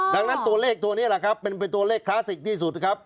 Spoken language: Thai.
ดังนั้นตัวเลขตัวนี้เป็นตัวเลขคลาสสิกที่สุดนะครับ